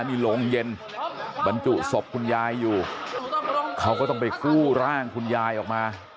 มีโรงเย็นบรรจุศพคุณยายอยู่เขาก็ต้องไปกู้ร่างคุณยายออกมา